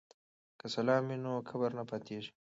که سلام وي نو کبر نه پاتیږي.